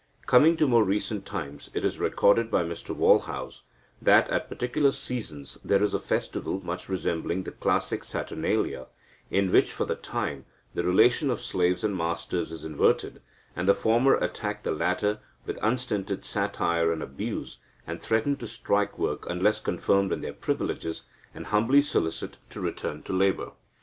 Coming to more recent times, it is recorded by Mr Walhouse that "at particular seasons there is a festival much resembling the classic Saturnalia, in which, for the time, the relation of slaves and masters is inverted, and the former attack the latter with unstinted satire and abuse, and threaten to strike work unless confirmed in their privileges, and humbly solicit to return to labour."